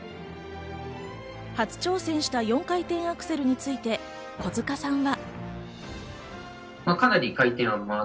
初挑戦した４回転アクセルについて小塚さんは。